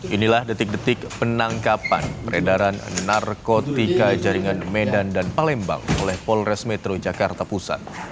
inilah detik detik penangkapan peredaran narkotika jaringan medan dan palembang oleh polres metro jakarta pusat